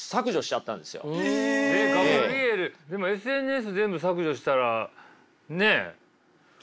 でもＳＮＳ全部削除したらねっ。